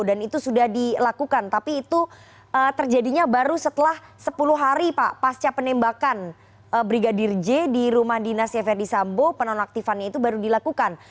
dan itu sudah dilakukan tapi itu terjadinya baru setelah sepuluh hari pak pasca penembakan brigadir j di rumah dinasya verdi sambo penonaktifannya itu baru dilakukan